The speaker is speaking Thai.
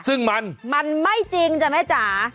ซึ่งมันมันไม่จริงจ้ะแม่จ๋า